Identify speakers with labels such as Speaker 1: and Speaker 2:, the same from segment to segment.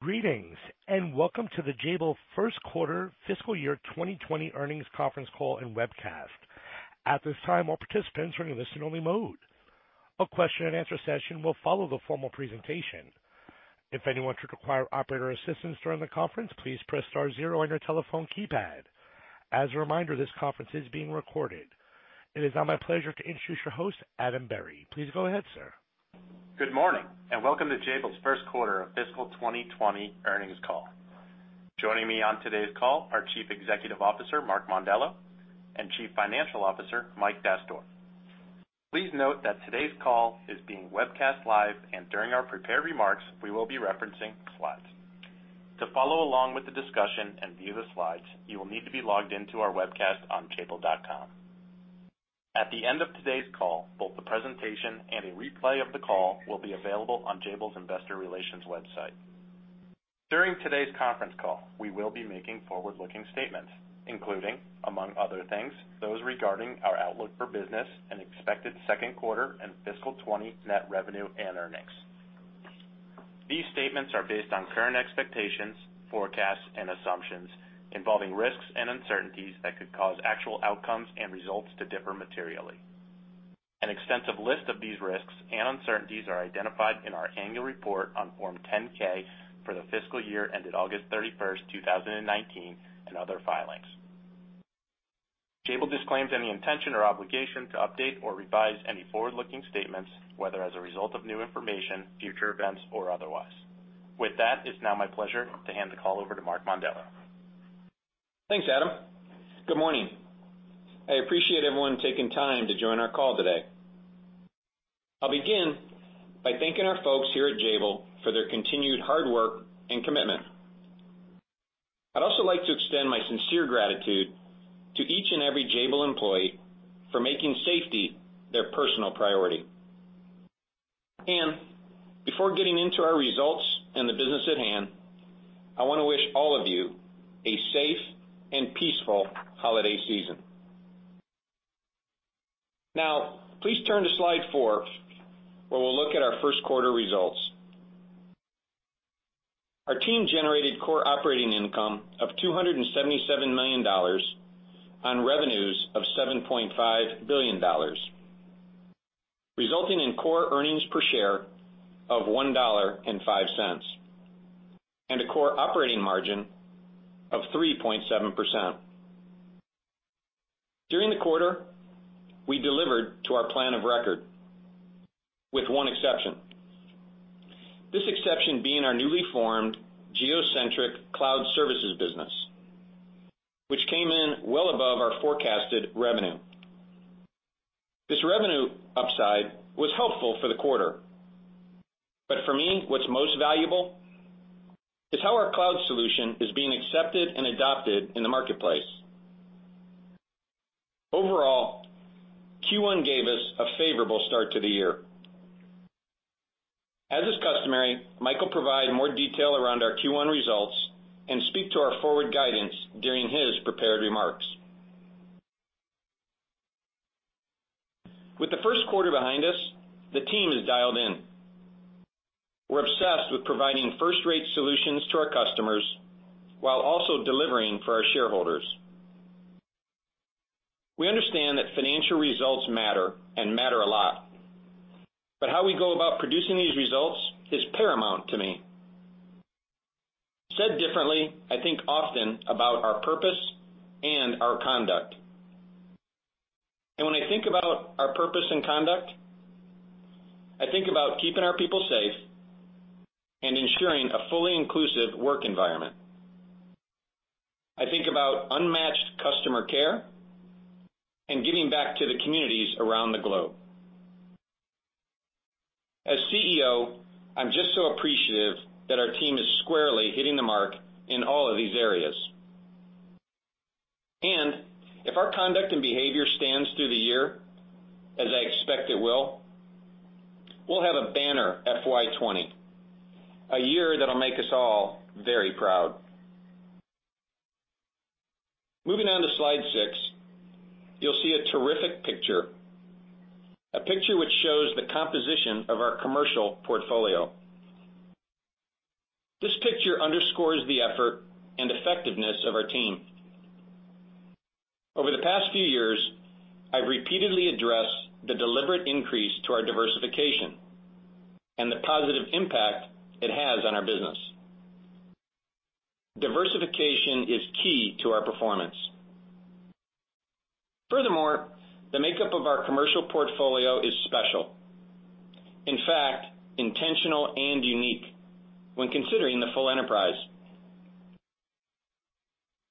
Speaker 1: Greetings, and welcome to the Jabil's first quarter fiscal year 2020 earnings conference call and webcast. At this time, all participants are in listen-only mode. A question-and-answer session will follow the formal presentation. If anyone should require operator assistance during the conference, please press star zero on your telephone keypad. As a reminder, this conference is being recorded. It is now my pleasure to introduce your host, Adam Berry. Please go ahead, sir.
Speaker 2: Good morning, and welcome to Jabil's first quarter of fiscal 2020 earnings call. Joining me on today's call are Chief Executive Officer, Mark Mondello, and Chief Financial Officer, Mike Dastoor. Please note that today's call is being webcast live, and during our prepared remarks, we will be referencing slides. To follow along with the discussion and view the slides, you will need to be logged into our webcast on jabil.com. At the end of today's call, both the presentation and a replay of the call will be available on Jabil's Investor Relations website. During today's conference call, we will be making forward-looking statements, including, among other things, those regarding our outlook for business and expected second quarter and fiscal 2020 net revenue and earnings. These statements are based on current expectations, forecasts, and assumptions involving risks and uncertainties that could cause actual outcomes and results to differ materially. An extensive list of these risks and uncertainties are identified in our annual report on Form 10-K for the fiscal year ended August 31st, 2019, and other filings. Jabil disclaims any intention or obligation to update or revise any forward-looking statements, whether as a result of new information, future events, or otherwise. With that, it's now my pleasure to hand the call over to Mark Mondello.
Speaker 3: Thanks, Adam. Good morning. I appreciate everyone taking time to join our call today. I'll begin by thanking our folks here at Jabil for their continued hard work and commitment. I'd also like to extend my sincere gratitude to each and every Jabil employee for making safety their personal priority, and before getting into our results and the business at hand, I want to wish all of you a safe and peaceful holiday season. Now, please turn to slide four, where we'll look at our first quarter results. Our team generated core operating income of $277 million on revenues of $7.5 billion, resulting in core earnings per share of $1.05 and a core operating margin of 3.7%. During the quarter, we delivered to our plan of record with one exception, this exception being our newly formed geo-centric cloud services business, which came in well above our forecasted revenue. This revenue upside was helpful for the quarter, but for me, what's most valuable is how our cloud solution is being accepted and adopted in the marketplace. Overall, Q1 gave us a favorable start to the year. As is customary, Michael provides more detail around our Q1 results and speaks to our forward guidance during his prepared remarks. With the first quarter behind us, the team is dialed in. We're obsessed with providing first-rate solutions to our customers while also delivering for our shareholders. We understand that financial results matter and matter a lot, but how we go about producing these results is paramount to me. Said differently, I think often about our purpose and our conduct, and when I think about our purpose and conduct, I think about keeping our people safe and ensuring a fully inclusive work environment. I think about unmatched customer care and giving back to the communities around the globe. As CEO, I'm just so appreciative that our team is squarely hitting the mark in all of these areas. And if our conduct and behavior stands through the year, as I expect it will, we'll have a banner FY 2020, a year that'll make us all very proud. Moving on to slide six, you'll see a terrific picture, a picture which shows the composition of our commercial portfolio. This picture underscores the effort and effectiveness of our team. Over the past few years, I've repeatedly addressed the deliberate increase to our diversification and the positive impact it has on our business. Diversification is key to our performance. Furthermore, the makeup of our commercial portfolio is special, in fact, intentional and unique when considering the full enterprise.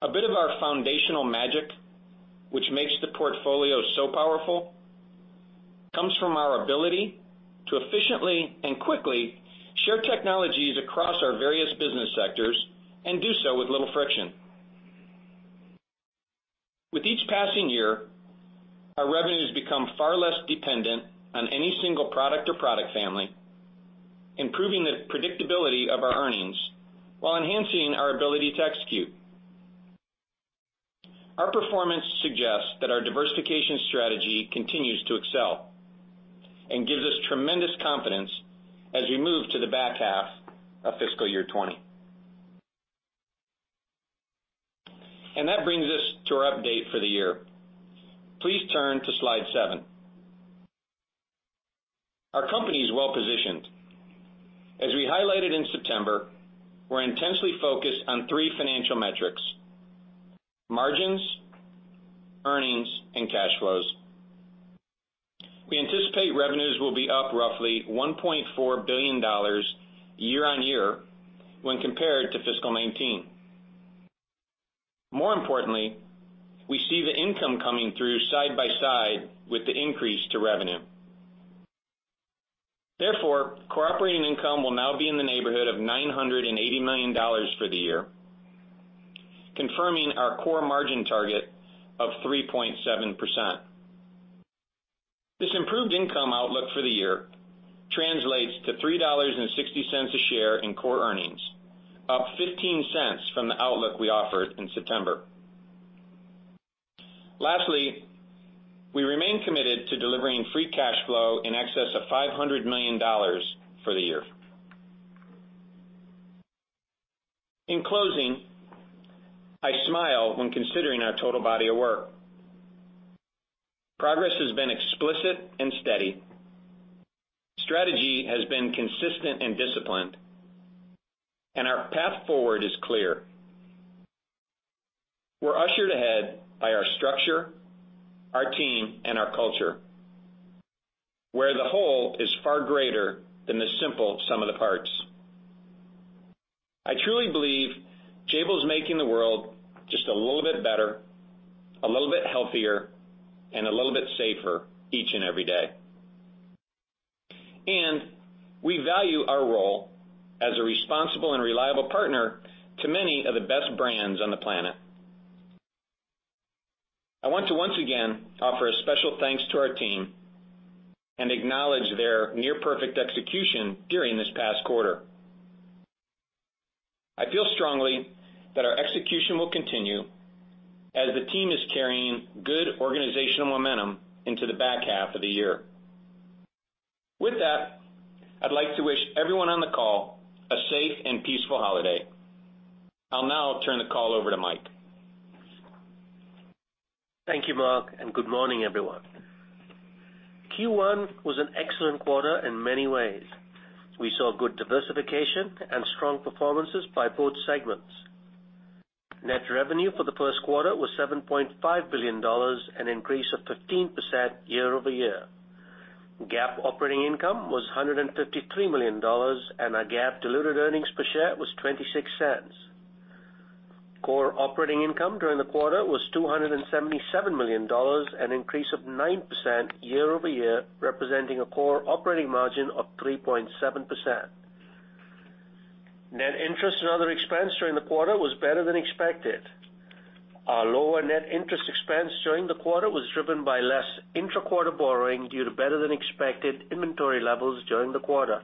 Speaker 3: A bit of our foundational magic, which makes the portfolio so powerful, comes from our ability to efficiently and quickly share technologies across our various business sectors and do so with little friction. With each passing year, our revenues become far less dependent on any single product or product family, improving the predictability of our earnings while enhancing our ability to execute. Our performance suggests that our diversification strategy continues to excel and gives us tremendous confidence as we move to the back half of fiscal year 2020, and that brings us to our update for the year. Please turn to slide seven. Our company is well positioned. As we highlighted in September, we're intensely focused on three financial metrics: margins, earnings, and cash flows. We anticipate revenues will be up roughly $1.4 billion year on year when compared to fiscal 2019. More importantly, we see the income coming through side by side with the increase to revenue. Therefore, core operating income will now be in the neighborhood of $980 million for the year, confirming our core margin target of 3.7%. This improved income outlook for the year translates to $3.60 a share in core earnings, up $0.15 from the outlook we offered in September. Lastly, we remain committed to delivering free cash flow in excess of $500 million for the year. In closing, I smile when considering our total body of work. Progress has been explicit and steady. Strategy has been consistent and disciplined, and our path forward is clear. We're ushered ahead by our structure, our team, and our culture, where the whole is far greater than the simple sum of the parts. I truly believe Jabil's making the world just a little bit better, a little bit healthier, and a little bit safer each and every day. And we value our role as a responsible and reliable partner to many of the best brands on the planet. I want to once again offer a special thanks to our team and acknowledge their near-perfect execution during this past quarter. I feel strongly that our execution will continue as the team is carrying good organizational momentum into the back half of the year. With that, I'd like to wish everyone on the call a safe and peaceful holiday. I'll now turn the call over to Mike.
Speaker 4: Thank you, Mark, and good morning, everyone. Q1 was an excellent quarter in many ways. We saw good diversification and strong performances by both segments. Net revenue for the first quarter was $7.5 billion, an increase of 15% year over year. GAAP operating income was $153 million, and our GAAP diluted earnings per share was $0.26. Core operating income during the quarter was $277 million, an increase of 9% year over year, representing a core operating margin of 3.7%. Net interest and other expense during the quarter was better than expected. Our lower net interest expense during the quarter was driven by less intra-quarter borrowing due to better-than-expected inventory levels during the quarter.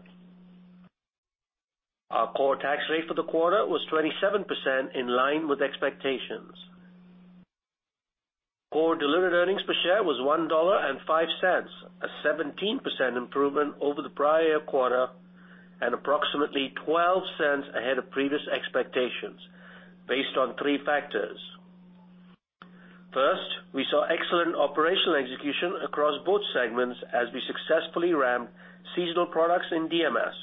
Speaker 4: Our core tax rate for the quarter was 27%, in line with expectations. Core diluted earnings per share was $1.05, a 17% improvement over the prior quarter and approximately $0.12 ahead of previous expectations based on three factors. First, we saw excellent operational execution across both segments as we successfully ramped seasonal products in DMS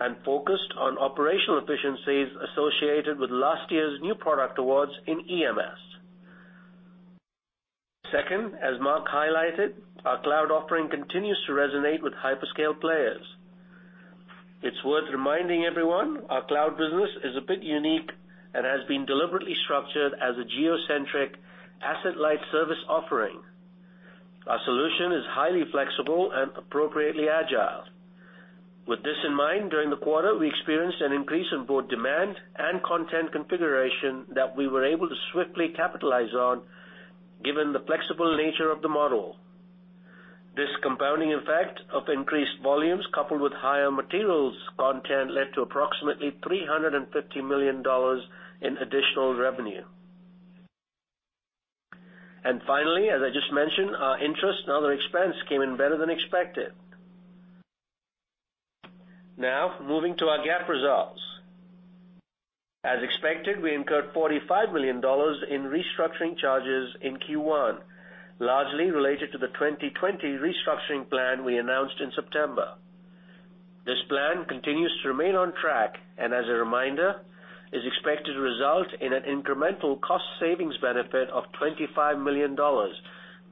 Speaker 4: and focused on operational efficiencies associated with last year's new product awards in EMS. Second, as Mark highlighted, our cloud offering continues to resonate with hyperscale players. It's worth reminding everyone our cloud business is a bit unique and has been deliberately structured as a geo-centric asset-light service offering. Our solution is highly flexible and appropriately agile. With this in mind, during the quarter, we experienced an increase in both demand and content configuration that we were able to swiftly capitalize on given the flexible nature of the model. This compounding effect of increased volumes coupled with higher materials content led to approximately $350 million in additional revenue, and finally, as I just mentioned, our interest and other expense came in better than expected. Now, moving to our GAAP results. As expected, we incurred $45 million in restructuring charges in Q1, largely related to the 2020 restructuring plan we announced in September. This plan continues to remain on track and, as a reminder, is expected to result in an incremental cost savings benefit of $25 million,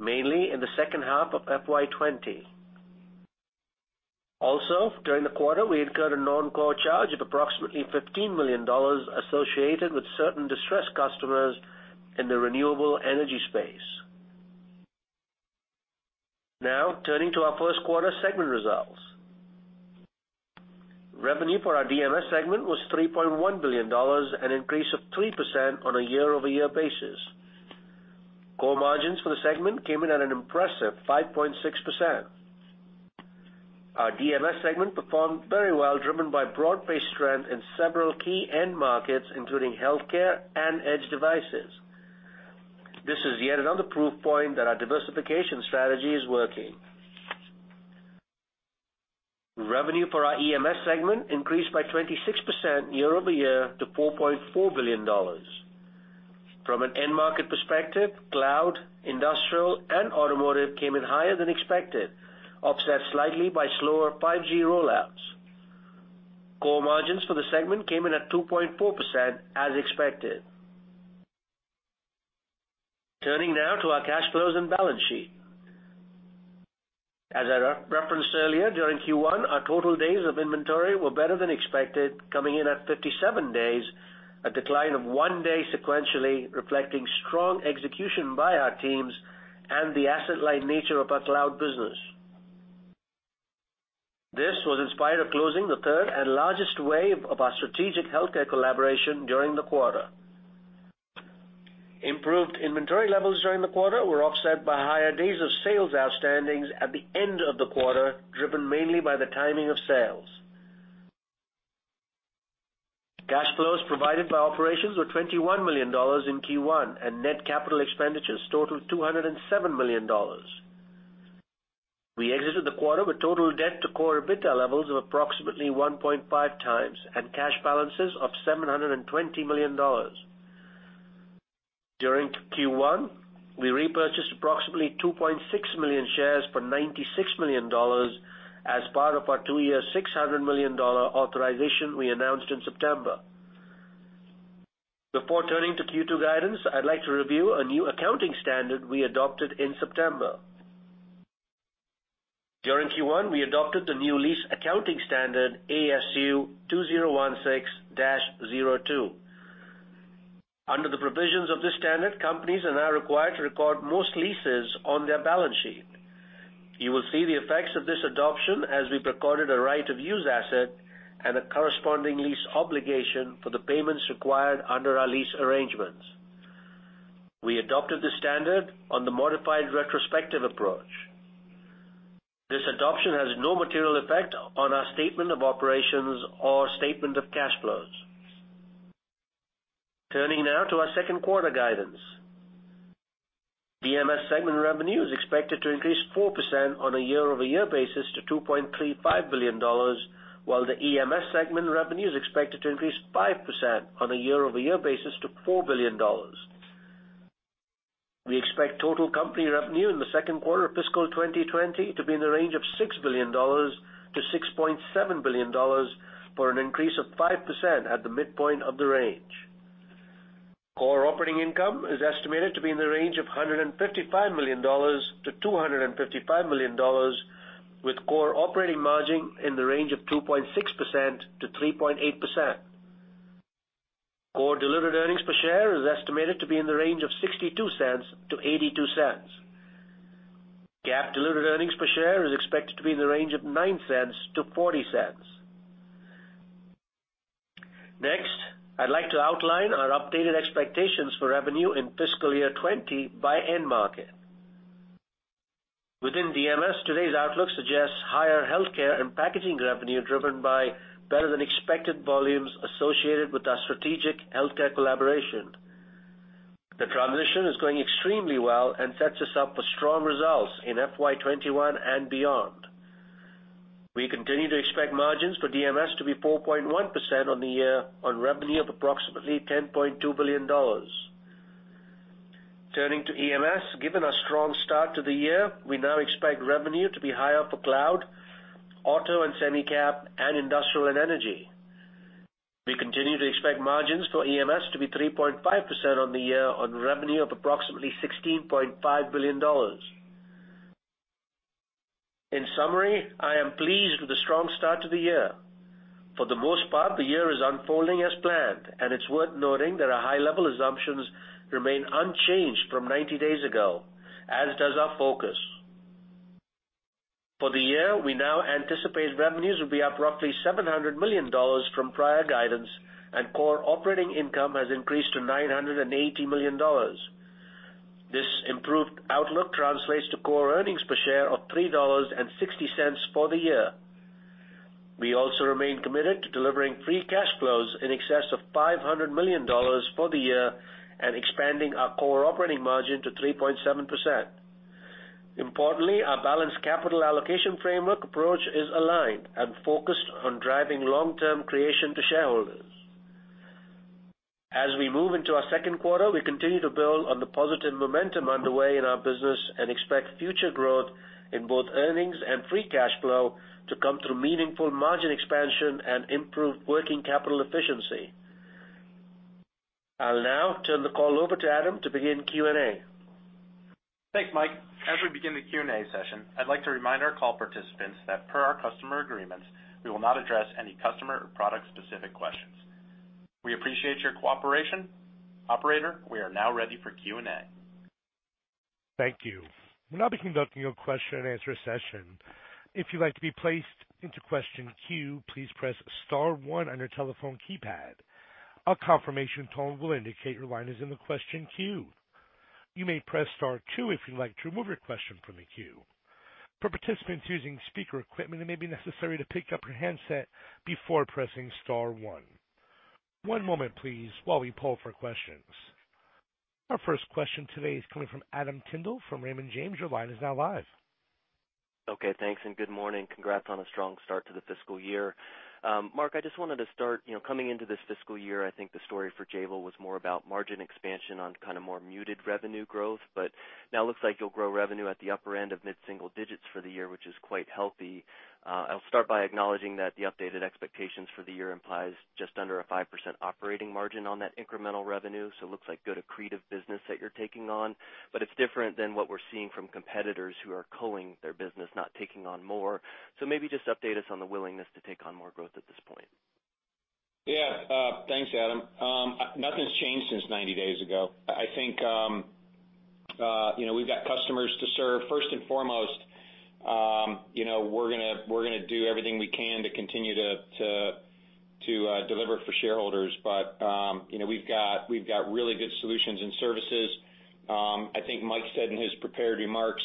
Speaker 4: mainly in the second half of FY 2020. Also, during the quarter, we incurred a non-core charge of approximately $15 million associated with certain distressed customers in the renewable energy space. Now, turning to our first quarter segment results. Revenue for our DMS segment was $3.1 billion, an increase of 3% on a year-over-year basis. Core margins for the segment came in at an impressive 5.6%. Our DMS segment performed very well, driven by broad-based strength in several key end markets, including healthcare and edge devices. This is yet another proof point that our diversification strategy is working. Revenue for our EMS segment increased by 26% year-over-year to $4.4 billion. From an end market perspective, cloud, industrial, and automotive came in higher than expected, offset slightly by slower 5G rollouts. Core margins for the segment came in at 2.4%, as expected. Turning now to our cash flows and balance sheet. As I referenced earlier, during Q1, our total days of inventory were better than expected, coming in at 57 days, a decline of one day sequentially, reflecting strong execution by our teams and the asset-light nature of our cloud business. This was in spite of closing the third and largest wave of our strategic healthcare collaboration during the quarter. Improved inventory levels during the quarter were offset by higher days of sales outstanding at the end of the quarter, driven mainly by the timing of sales. Cash flows provided by operations were $21 million in Q1, and net capital expenditures totaled $207 million. We exited the quarter with total debt to Core EBITDA levels of approximately 1.5 times and cash balances of $720 million. During Q1, we repurchased approximately 2.6 million shares for $96 million as part of our two-year $600 million authorization we announced in September. Before turning to Q2 guidance, I'd like to review a new accounting standard we adopted in September. During Q1, we adopted the new lease accounting standard ASU 2016-02. Under the provisions of this standard, companies are now required to record most leases on their balance sheet. You will see the effects of this adoption as we recorded a right-of-use asset and a corresponding lease obligation for the payments required under our lease arrangements. We adopted this standard on the modified retrospective approach. This adoption has no material effect on our statement of operations or statement of cash flows. Turning now to our second quarter guidance. DMS segment revenue is expected to increase 4% on a year-over-year basis to $2.35 billion, while the EMS segment revenue is expected to increase 5% on a year-over-year basis to $4 billion. We expect total company revenue in the second quarter of fiscal 2020 to be in the range of $6 billion-$6.7 billion for an increase of 5% at the midpoint of the range. Core operating income is estimated to be in the range of $155-$255 million, with core operating margin in the range of 2.6%-3.8%. Core diluted earnings per share is estimated to be in the range of $0.62-$0.82. GAAP diluted earnings per share is expected to be in the range of $0.09-$0.40. Next, I'd like to outline our updated expectations for revenue in fiscal year 2020 by end market. Within DMS, today's outlook suggests higher healthcare and packaging revenue driven by better-than-expected volumes associated with our strategic healthcare collaboration. The transition is going extremely well and sets us up for strong results in FY 2021 and beyond. We continue to expect margins for DMS to be 4.1% on the year on revenue of approximately $10.2 billion. Turning to EMS, given our strong start to the year, we now expect revenue to be higher for cloud, auto and semi-cap, and industrial and energy. We continue to expect margins for EMS to be 3.5% on the year on revenue of approximately $16.5 billion. In summary, I am pleased with the strong start to the year. For the most part, the year is unfolding as planned, and it's worth noting that our high-level assumptions remain unchanged from 90 days ago, as does our focus. For the year, we now anticipate revenues will be up roughly $700 million from prior guidance, and core operating income has increased to $980 million. This improved outlook translates to core earnings per share of $3.60 for the year. We also remain committed to delivering free cash flows in excess of $500 million for the year and expanding our core operating margin to 3.7%. Importantly, our balanced capital allocation framework approach is aligned and focused on driving long-term creation to shareholders. As we move into our second quarter, we continue to build on the positive momentum underway in our business and expect future growth in both earnings and free cash flow to come through meaningful margin expansion and improved working capital efficiency. I'll now turn the call over to Adam to begin Q&A.
Speaker 2: Thanks, Mike. As we begin the Q&A session, I'd like to remind our call participants that per our customer agreements, we will not address any customer or product-specific questions. We appreciate your cooperation. Operator, we are now ready for Q&A.
Speaker 1: Thank you. We'll now be conducting a question-and-answer session. If you'd like to be placed into question queue, please press star one on your telephone keypad. A confirmation tone will indicate your line is in the question queue. You may press star two if you'd like to remove your question from the queue. For participants using speaker equipment, it may be necessary to pick up your handset before pressing star one. One moment, please, while we poll for questions. Our first question today is coming from Adam Tindle from Raymond James. Your line is now live.
Speaker 5: Okay. Thanks, and good morning. Congrats on a strong start to the fiscal year. Mark, I just wanted to start, coming into this fiscal year, I think the story for Jabil was more about margin expansion on kind of more muted revenue growth, but now it looks like you'll grow revenue at the upper end of mid-single digits for the year, which is quite healthy. I'll start by acknowledging that the updated expectations for the year implies just under a 5% operating margin on that incremental revenue, so it looks like good accretive business that you're taking on, but it's different than what we're seeing from competitors who are slowing their business, not taking on more, so maybe just update us on the willingness to take on more growth at this point.
Speaker 3: Yeah. Thanks, Adam. Nothing's changed since 90 days ago. I think we've got customers to serve. First and foremost, we're going to do everything we can to continue to deliver for shareholders, but we've got really good solutions and services. I think Mike said in his prepared remarks,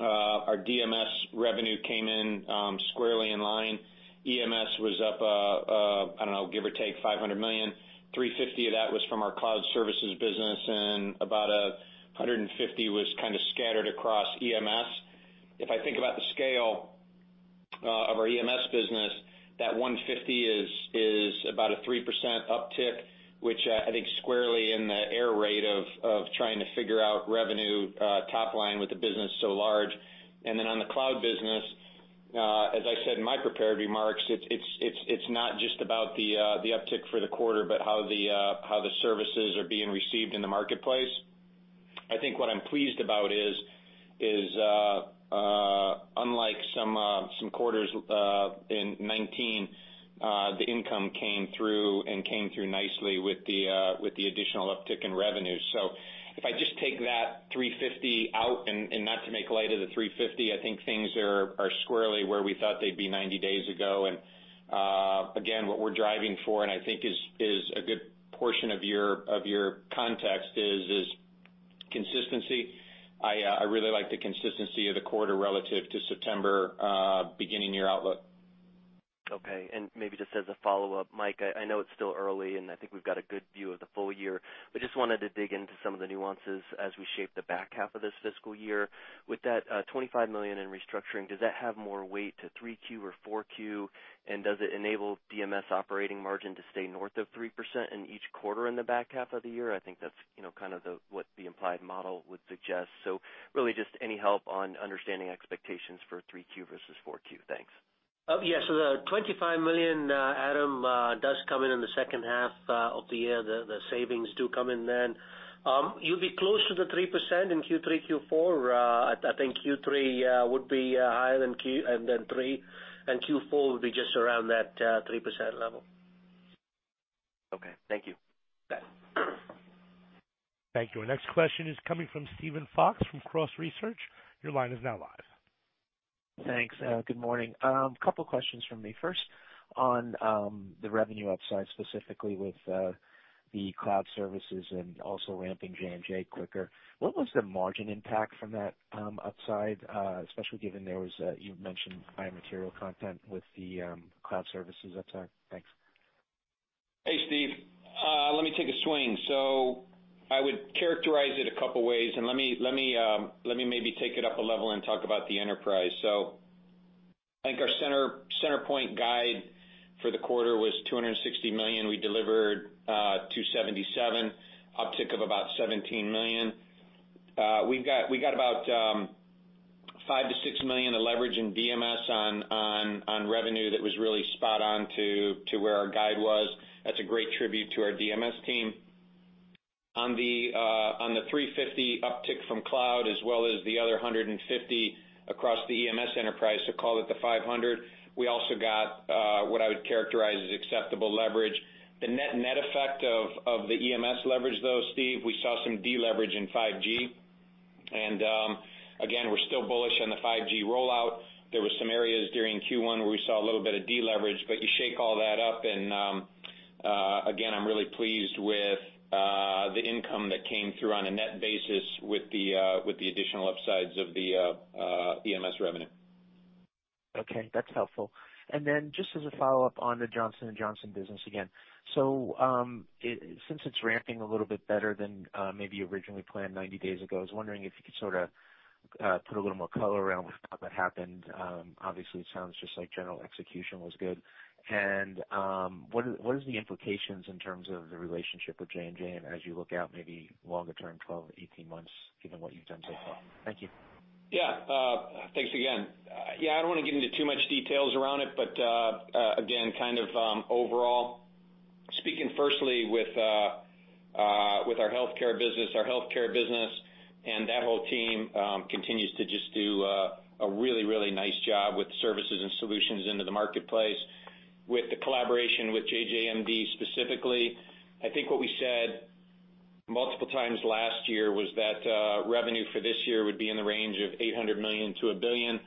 Speaker 3: our DMS revenue came in squarely in line. EMS was up, I don't know, give or take $500 million. 350 of that was from our cloud services business, and about 150 was kind of scattered across EMS. If I think about the scale of our EMS business, that 150 is about a 3% uptick, which I think squarely in the error rate of trying to figure out revenue top line with a business so large. And then on the cloud business, as I said in my prepared remarks, it's not just about the uptick for the quarter, but how the services are being received in the marketplace. I think what I'm pleased about is, unlike some quarters in 2019, the income came through and came through nicely with the additional uptick in revenue. So if I just take that 350 out, and not to make light of the 350, I think things are squarely where we thought they'd be 90 days ago. And again, what we're driving for, and I think is a good portion of your context, is consistency. I really like the consistency of the quarter relative to September beginning year outlook.
Speaker 5: Okay. And maybe just as a follow-up, Mike, I know it's still early, and I think we've got a good view of the full year, but just wanted to dig into some of the nuances as we shape the back half of this fiscal year. With that $25 million in restructuring, does that have more weight to 3Q or 4Q, and does it enable DMS operating margin to stay north of 3% in each quarter in the back half of the year? I think that's kind of what the implied model would suggest. So really just any help on understanding expectations for 3Q versus 4Q. Thanks.
Speaker 4: Oh, yeah. So the $25 million, Adam, does come in the second half of the year. The savings do come in then. You'll be close to the 3% in Q3, Q4. I think Q3 would be higher than Q and then 3, and Q4 would be just around that 3% level.
Speaker 5: Okay. Thank you.
Speaker 4: Thanks.
Speaker 1: Thank you. Our next question is coming from Steven Fox from Cross Research. Your line is now live.
Speaker 6: Thanks. Good morning. A couple of questions for me. First, on the revenue upside specifically with the cloud services and also ramping J&J quicker. What was the margin impact from that upside, especially given there was, you mentioned, higher material content with the cloud services upside? Thanks.
Speaker 3: Hey, Steve. Let me take a swing, so I would characterize it a couple of ways, and let me maybe take it up a level and talk about the enterprise, so I think our center point guide for the quarter was $260 million. We delivered $277 million, uptick of about $17 million. We got about $5-6 million of leverage in DMS on revenue that was really spot on to where our guide was. That's a great tribute to our DMS team. On the 350 uptick from cloud, as well as the other 150 across the EMS enterprise, so call it the 500, we also got what I would characterize as acceptable leverage. The net-net effect of the EMS leverage, though, Steve, we saw some deleverage in 5G, and again, we're still bullish on the 5G rollout. There were some areas during Q1 where we saw a little bit of deleverage, but you shake all that up, and again, I'm really pleased with the income that came through on a net basis with the additional upsides of the EMS revenue.
Speaker 6: Okay. That's helpful. And then just as a follow-up on the Johnson & Johnson business again, so since it's ramping a little bit better than maybe originally planned 90 days ago, I was wondering if you could sort of put a little more color around what happened. Obviously, it sounds just like general execution was good. And what are the implications in terms of the relationship with J&J as you look out maybe longer term, 12-18 months, given what you've done so far? Thank you.
Speaker 3: Yeah. Thanks again. Yeah, I don't want to get into too much details around it, but again, kind of overall, speaking firstly with our healthcare business, our healthcare business and that whole team continues to just do a really, really nice job with services and solutions into the marketplace. With the collaboration with JJMD specifically, I think what we said multiple times last year was that revenue for this year would be in the range of $800 million-$1 billion.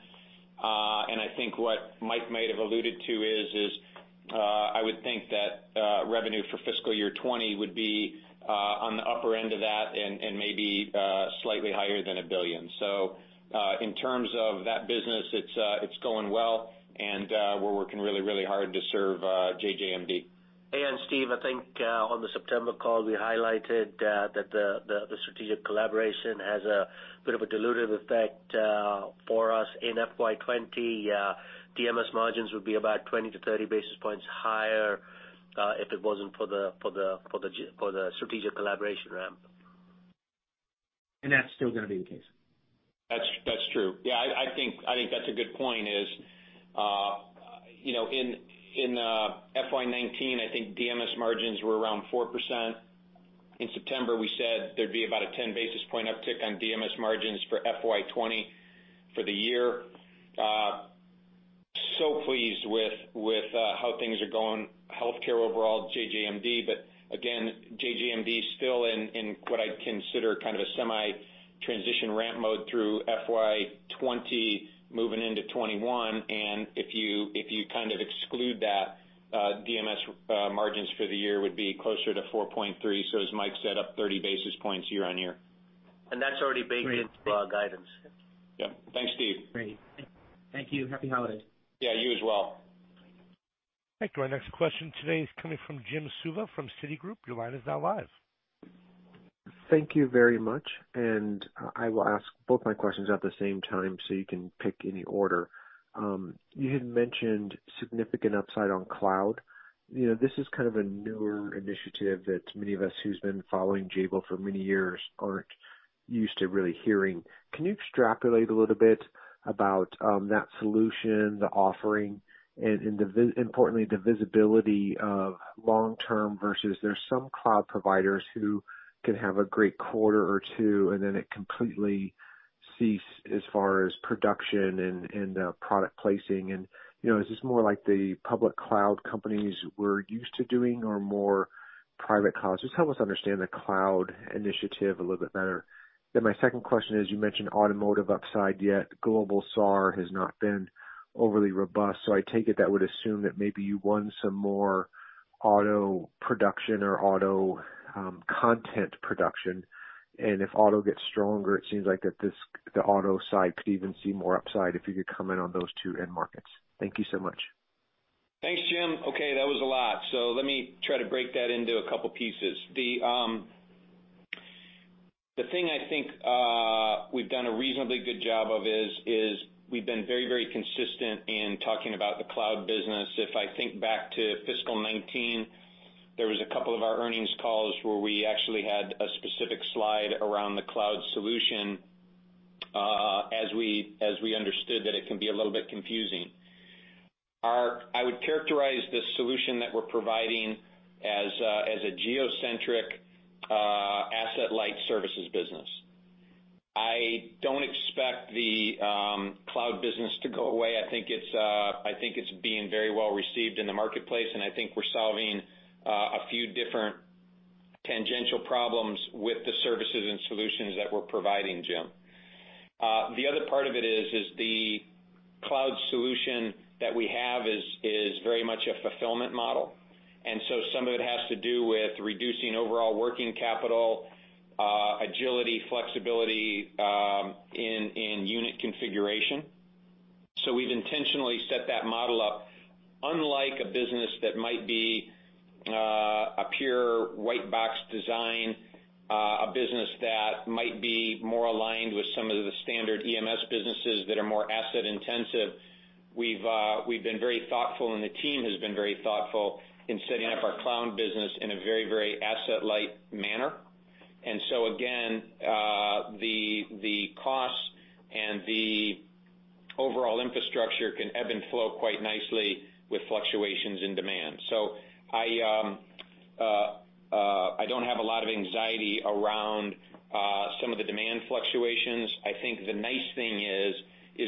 Speaker 3: And I think what Mike might have alluded to is, I would think that revenue for fiscal year 2020 would be on the upper end of that and maybe slightly higher than $1 billion, so in terms of that business, it's going well, and we're working really, really hard to serve JJMD.
Speaker 4: Hey, and Steve, I think on the September call, we highlighted that the strategic collaboration has a bit of a dilutive effect for us. In FY 2020, DMS margins would be about 20-30 basis points higher if it wasn't for the strategic collaboration ramp.
Speaker 6: That's still going to be the case.
Speaker 3: That's true. Yeah, I think that's a good point. In FY 2019, I think DMS margins were around 4%. In September, we said there'd be about a 10 basis point uptick on DMS margins for FY 2020 for the year, so pleased with how things are going, healthcare overall, JJMD, but again, JJMD is still in what I'd consider kind of a semi-transition ramp mode through FY 2020 moving into 2021, and if you kind of exclude that, DMS margins for the year would be closer to 4.3, so as Mike said, up 30 basis points year on year.
Speaker 4: That's already baked into our guidance.
Speaker 3: Yeah. Thanks, Steve.
Speaker 6: Great. Thank you. Happy holidays.
Speaker 3: Yeah, you as well.
Speaker 1: Thank you. Our next question today is coming from Jim Suva from Citigroup. Your line is now live.
Speaker 7: Thank you very much, and I will ask both my questions at the same time, so you can pick any order. You had mentioned significant upside on cloud. This is kind of a newer initiative that many of us who've been following Jabil for many years aren't used to really hearing. Can you extrapolate a little bit about that solution, the offering, and importantly, the visibility of long-term, versus there's some cloud providers who can have a great quarter or two, and then it completely ceases as far as production and product placing? and is this more like the public cloud companies we're used to doing or more private cloud? Just help us understand the cloud initiative a little bit better, then my second question is, you mentioned automotive upside, yet Global SAAR has not been overly robust. So I take it that would assume that maybe you won some more auto production or auto content production. And if auto gets stronger, it seems like that the auto side could even see more upside if you could comment on those two end markets? Thank you so much.
Speaker 3: Thanks, Jim. Okay, that was a lot. So let me try to break that into a couple of pieces. The thing I think we've done a reasonably good job of is we've been very, very consistent in talking about the cloud business. If I think back to fiscal 2019, there was a couple of our earnings calls where we actually had a specific slide around the cloud solution as we understood that it can be a little bit confusing. I would characterize the solution that we're providing as a geo-centric asset-light services business. I don't expect the cloud business to go away. I think it's being very well received in the marketplace, and I think we're solving a few different tangential problems with the services and solutions that we're providing, Jim. The other part of it is the cloud solution that we have is very much a fulfillment model. And so some of it has to do with reducing overall working capital, agility, flexibility in unit configuration. So we've intentionally set that model up, unlike a business that might be a pure white-box design, a business that might be more aligned with some of the standard EMS businesses that are more asset-intensive. We've been very thoughtful, and the team has been very thoughtful in setting up our cloud business in a very, very asset-light manner. And so again, the cost and the overall infrastructure can ebb and flow quite nicely with fluctuations in demand. So I don't have a lot of anxiety around some of the demand fluctuations. I think the nice thing is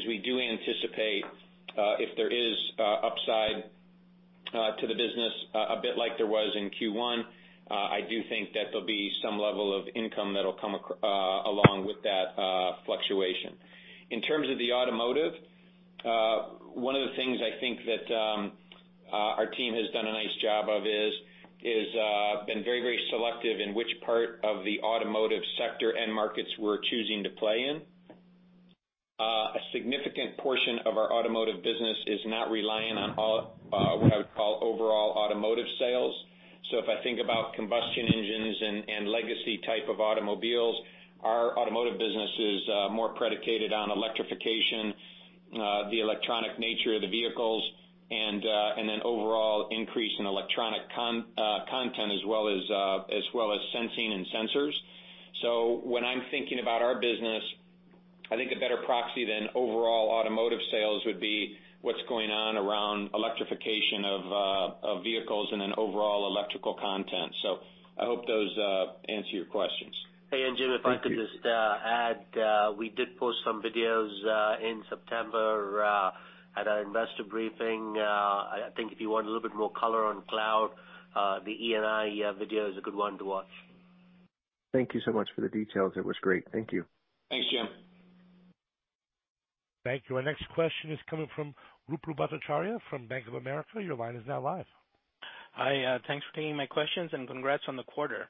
Speaker 3: we do anticipate if there is upside to the business, a bit like there was in Q1. I do think that there'll be some level of income that'll come along with that fluctuation. In terms of the automotive, one of the things I think that our team has done a nice job of is been very, very selective in which part of the automotive sector and markets we're choosing to play in. A significant portion of our automotive business is not reliant on what I would call overall automotive sales. So if I think about combustion engines and legacy type of automobiles, our automotive business is more predicated on electrification, the electronic nature of the vehicles, and then overall increase in electronic content as well as sensing and sensors. So when I'm thinking about our business, I think a better proxy than overall automotive sales would be what's going on around electrification of vehicles and then overall electrical content. So I hope those answer your questions.
Speaker 4: Hey, and Jim, if I could just add, we did post some videos in September at our investor briefing. I think if you want a little bit more color on cloud, the E&I video is a good one to watch.
Speaker 7: Thank you so much for the details. It was great. Thank you.
Speaker 3: Thanks, Jim.
Speaker 1: Thank you. Our next question is coming from Ruplu Bhattacharya from Bank of America. Your line is now live.
Speaker 8: Hi. Thanks for taking my questions, and congrats on the quarter.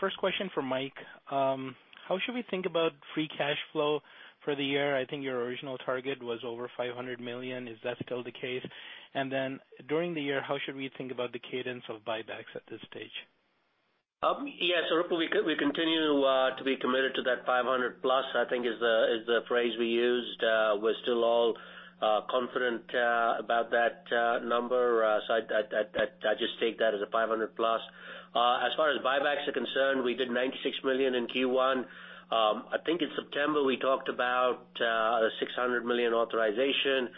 Speaker 8: First question for Mike. How should we think about free cash flow for the year? I think your original target was over $500 million. Is that still the case? And then during the year, how should we think about the cadence of buybacks at this stage?
Speaker 4: Yeah. So Ruplu, we continue to be committed to that $500-plus, I think, is the phrase we used. We're still all confident about that number. So I just take that as a $500-plus. As far as buybacks are concerned, we did $96 million in Q1. I think in September we talked about a $600 million authorization.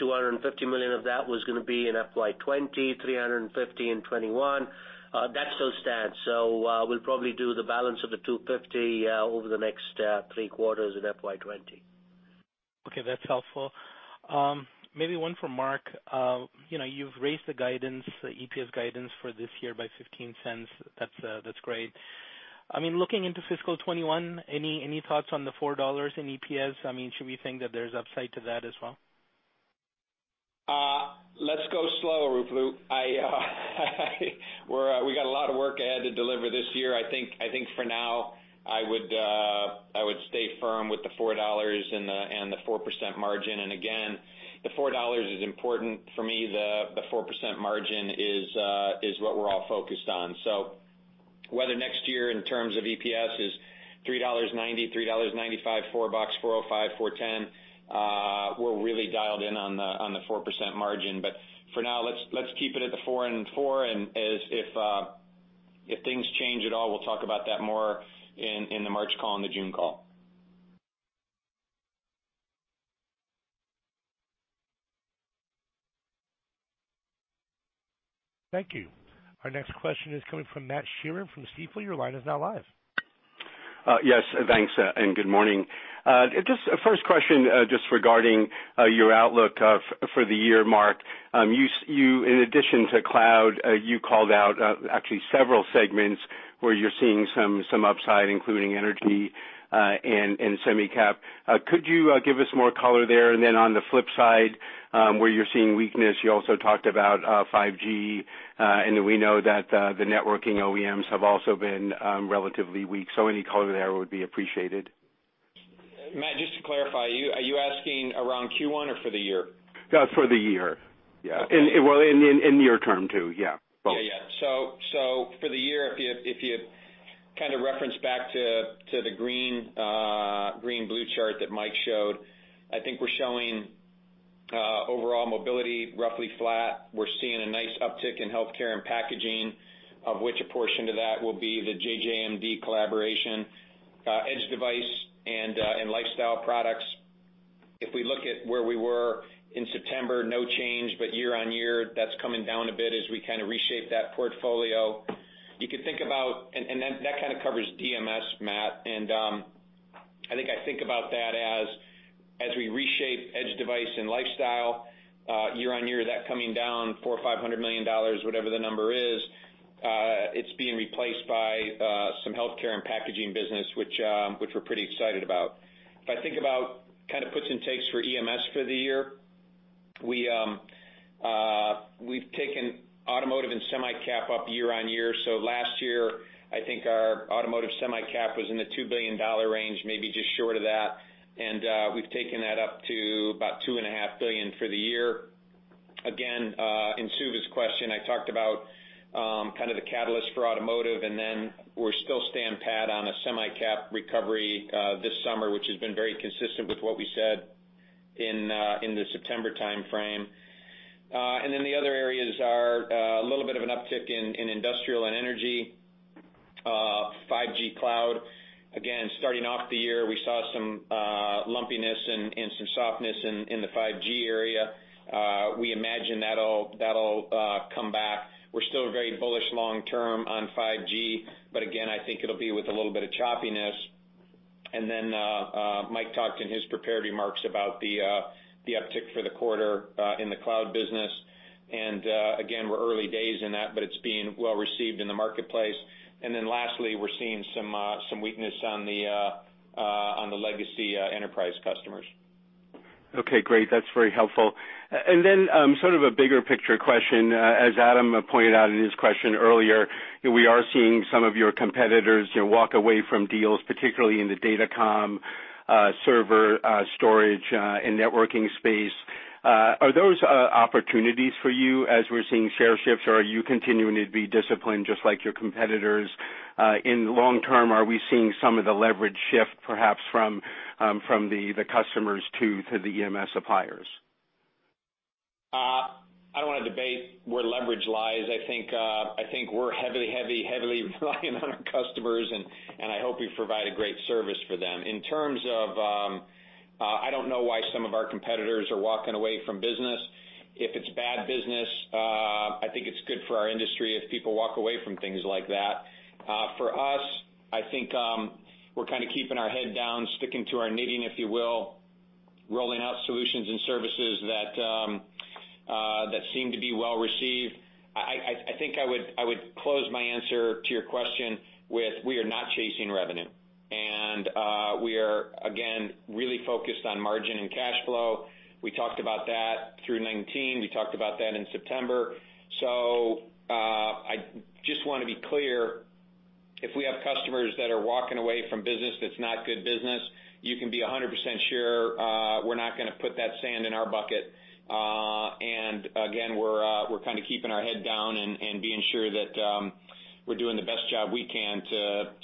Speaker 4: $250 million of that was going to be in FY 2020, $350 million in 2021. That still stands. So we'll probably do the balance of the $250 million over the next three quarters in FY 2020.
Speaker 8: Okay. That's helpful. Maybe one for Mark. You've raised the guidance, the EPS guidance for this year by $0.15. That's great. I mean, looking into fiscal 2021, any thoughts on the $4 in EPS? I mean, should we think that there's upside to that as well?
Speaker 3: Let's go slow, Ruplu. We got a lot of work ahead to deliver this year. I think for now, I would stay firm with the $4 and the 4% margin. And again, the $4 is important for me. The 4% margin is what we're all focused on. So whether next year in terms of EPS is $3.90, $3.95, $4.00, $4.05, $4.10, we're really dialed in on the 4% margin. But for now, let's keep it at the $4 and 4%. And if things change at all, we'll talk about that more in the March call and the June call.
Speaker 1: Thank you. Our next question is coming from Matt Sheerin from Stifel. Your line is now live.
Speaker 9: Yes. Thanks, and good morning. Just a first question just regarding your outlook for the year, Mark. In addition to cloud, you called out actually several segments where you're seeing some upside, including energy and semi-cap. Could you give us more color there? And then on the flip side, where you're seeing weakness, you also talked about 5G. And we know that the networking OEMs have also been relatively weak. So any color there would be appreciated.
Speaker 3: Matt, just to clarify, are you asking around Q1 or for the year?
Speaker 9: For the year. Yeah. Well, in near term too. Yeah. Both.
Speaker 3: Yeah. Yeah. So for the year, if you kind of reference back to the green-blue chart that Mike showed, I think we're showing overall mobility roughly flat. We're seeing a nice uptick in healthcare and packaging, of which a portion of that will be the JJMD collaboration, edge device, and lifestyle products. If we look at where we were in September, no change, but year-on-year, that's coming down a bit as we kind of reshape that portfolio. You could think about, and that kind of covers DMS, Matt. And I think about that as we reshape edge device and lifestyle, year-on-year, that coming down $400-$500 million, whatever the number is, it's being replaced by some healthcare and packaging business, which we're pretty excited about. If I think about kind of puts and takes for EMS for the year, we've taken automotive and semi-cap up year on year, so last year, I think our automotive semi-cap was in the $2 billion range, maybe just short of that, and we've taken that up to about $2.5 billion for the year. Again, in Suva's question, I talked about kind of the catalyst for automotive, and then we're still stand pat on a semi-cap recovery this summer, which has been very consistent with what we said in the September time frame, and then the other areas are a little bit of an uptick in industrial and energy, 5G cloud. Again, starting off the year, we saw some lumpiness and some softness in the 5G area. We imagine that'll come back. We're still very bullish long-term on 5G, but again, I think it'll be with a little bit of choppiness. And then Mike talked in his prepared remarks about the uptick for the quarter in the cloud business. And again, we're early days in that, but it's being well received in the marketplace. And then lastly, we're seeing some weakness on the legacy enterprise customers.
Speaker 9: Okay. Great. That's very helpful. And then sort of a bigger picture question, as Adam pointed out in his question earlier, we are seeing some of your competitors walk away from deals, particularly in the datacom, server storage, and networking space. Are those opportunities for you as we're seeing share shifts, or are you continuing to be disciplined just like your competitors? In long term, are we seeing some of the leverage shift perhaps from the customers to the EMS suppliers?
Speaker 3: I don't want to debate where leverage lies. I think we're heavily, heavily, heavily reliant on our customers, and I hope we provide a great service for them. In terms of, I don't know why some of our competitors are walking away from business. If it's bad business, I think it's good for our industry if people walk away from things like that. For us, I think we're kind of keeping our head down, sticking to our knitting, if you will, rolling out solutions and services that seem to be well received. I think I would close my answer to your question with, we are not chasing revenue, and we are, again, really focused on margin and cash flow. We talked about that through 2019. We talked about that in September. So I just want to be clear, if we have customers that are walking away from business that's not good business, you can be 100% sure we're not going to put that sand in our bucket. And again, we're kind of keeping our head down and being sure that we're doing the best job we can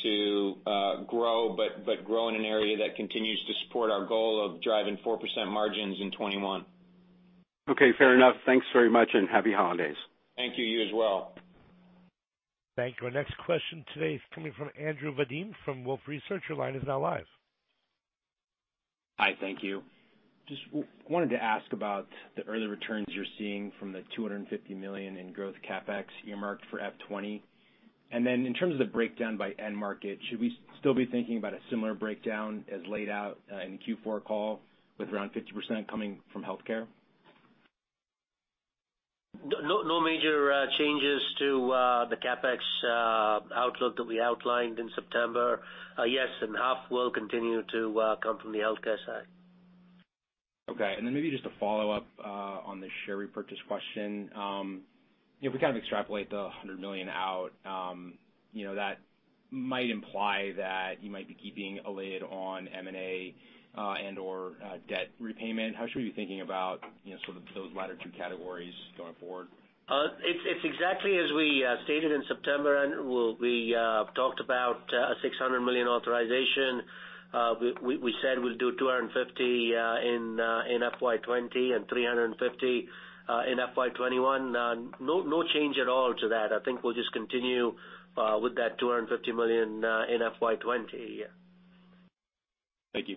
Speaker 3: to grow, but grow in an area that continues to support our goal of driving 4% margins in 2021. Okay. Fair enough. Thanks very much and happy holidays. Thank you. You as well.
Speaker 1: Thank you. Our next question today is coming from Andrew Vadheim from Wolfe Research. Your line is now live.
Speaker 10: Hi. Thank you. Just wanted to ask about the early returns you're seeing from the $250 million in growth CapEx earmarked for F20. And then in terms of the breakdown by end market, should we still be thinking about a similar breakdown as laid out in the Q4 call with around 50% coming from healthcare?
Speaker 4: No major changes to the CapEx outlook that we outlined in September. Yes, and half will continue to come from the healthcare side.
Speaker 10: Okay. And then maybe just a follow-up on the share repurchase question. If we kind of extrapolate the 100 million out, that might imply that you might be keeping a lid on M&A and/or debt repayment. How should we be thinking about sort of those latter two categories going forward?
Speaker 4: It's exactly as we stated in September, and we talked about a $600 million authorization. We said we'll do $250 million in FY 2020 and $350 million in FY 2021. No change at all to that. I think we'll just continue with that $250 million in FY 2020.
Speaker 10: Thank you.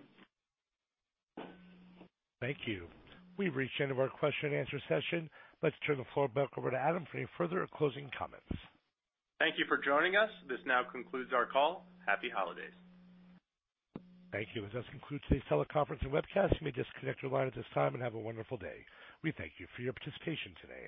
Speaker 1: Thank you. We've reached the end of our question and answer session. Let's turn the floor back over to Adam for any further closing comments.
Speaker 2: Thank you for joining us. This now concludes our call. Happy holidays.
Speaker 1: Thank you. With us concludes today's teleconference and webcast. You may disconnect your line at this time and have a wonderful day. We thank you for your participation today.